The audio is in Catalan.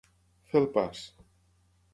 Fer el pas.